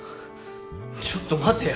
ちょっと待てよ。